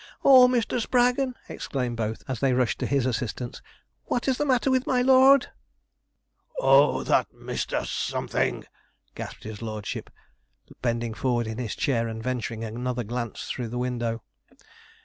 'Oh, Mr. Spraggon!' exclaimed both, as they rushed to his assistance, 'what is the matter with my lord?' 'Oh, that Mister something!' gasped his lordship, bending forward in his chair, and venturing another glance through the window.